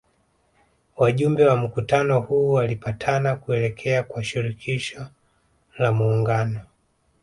Wajumbe wa mkutano huu walipatana kuelekea kwa Shirikisho la muungano